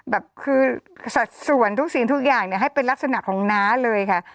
แบบคือสัดส่วนทุกสิ่งทุกอย่างเนี่ยให้เป็นลักษณะของน้าเลยค่ะ